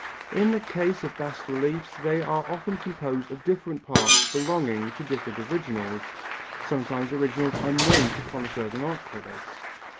In the case of bas reliefs they are often composed of different parts belonging to different originals, sometimes originals unknown to connoisseurs and art critics.